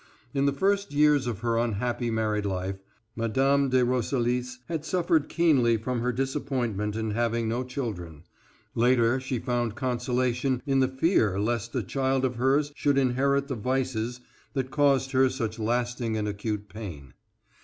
In the first years of her unhappy married life Mme. de Roselis had suffered keenly from her disappointment in having no children; later she found consolation in the fear lest a child of hers should inherit the vices that caused her such lasting and acute pain.